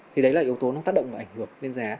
thì đấy là yếu tố nó tác động và ảnh hưởng lên giá